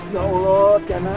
ya allah tiana